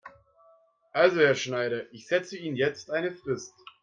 Also Herr Schneider, ich setze Ihnen jetzt eine Frist.